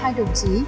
hai đồng chí